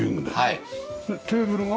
テーブルが？